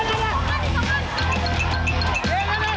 โอ้โฮโอ้โฮโอ้โฮ